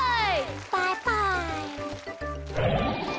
バイバイ。